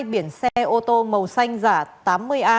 hai biển xe ô tô màu xanh giả tám mươi a